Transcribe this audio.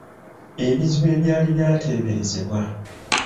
Ebizibu ebyali byateeberezebwa.